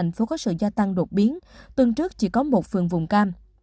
từ ngày một tháng số ca nhiễm tăng đột biến tuần trước chỉ có một phường vùng cam